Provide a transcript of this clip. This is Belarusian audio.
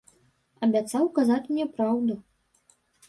Абяцаў казаць мне праўду.